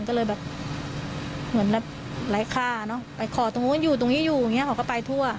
ก็เลยแบบเหมือนแบบไร้ค่าเนอะไปขอตรงนู้นอยู่ตรงนี้อยู่อย่างเงี้เขาก็ไปทั่ว